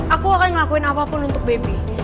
aku akan ngelakuin apapun untuk baby